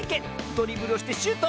ドリブルをしてシュート！